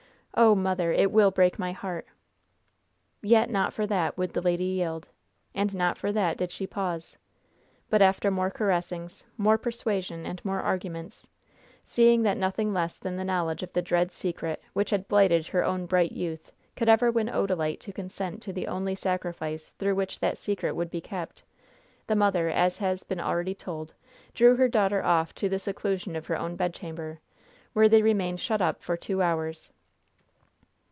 oh, mother! it will break my heart!" Yet not for that would the lady yield. And not for that did she pause. But after more caressings, more persuasion, and more arguments seeing that nothing less than the knowledge of the dread secret which had blighted her own bright youth could ever win Odalite to consent to the only sacrifice through which that secret would be kept the mother, as has been already told, drew her daughter off to the seclusion of her own bedchamber, where they remained shut up for two hours.